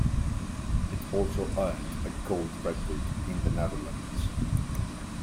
It also earned a gold record in the Netherlands.